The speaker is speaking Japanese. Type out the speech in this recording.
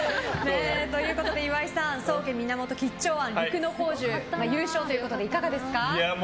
岩井さん宗家源吉兆庵、陸乃宝珠優勝ということでいかがですか？